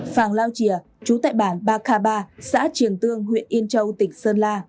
phàng lao chìa trú tại bản ba k ba xã triền tương huyện yên châu tỉnh sơn la